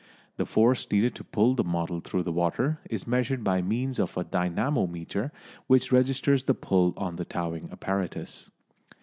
The force needed to pull the model through the water is measured by means of a dynamometer which registers the pull on the towing apparatus.